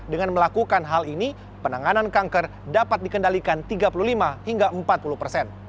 dengan melakukan hal ini penanganan kanker dapat dikendalikan tiga puluh lima hingga empat puluh persen